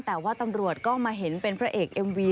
แต่ว่าตำรวจก็มาเห็นเป็นพระเอกเอ็มวี